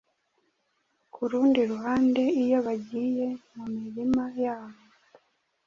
ku rundi ruhande, iyo bagiye mu mirima yabo